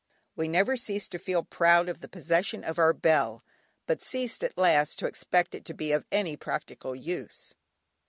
We never ceased to feel proud of the possession of our bell, but ceased at last to expect it to be of any practical use.